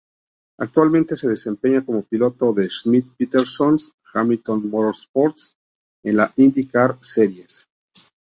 Actualmente se desempeña como piloto de Schmidt Peterson Hamilton Motorsports en la IndyCar Series.